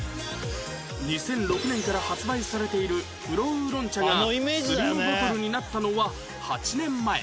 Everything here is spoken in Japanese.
２００６年から発売されている黒烏龍茶がスリムボトルになったのは８年前